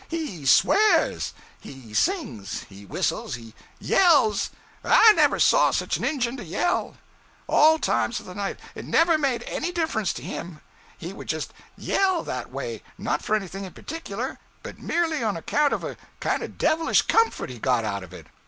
He swears, he sings, he whistles, he yells I never saw such an Injun to yell. All times of the night it never made any difference to him. He would just yell that way, not for anything in particular, but merely on account of a kind of devilish comfort he got out of it.